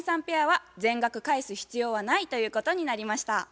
ペアは「全額返す必要はない」ということになりました。